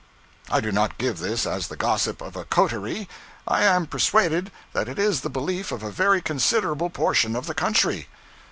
I do not give this as the gossip of a coterie; I am persuaded that it is the belief of a very considerable portion of the country.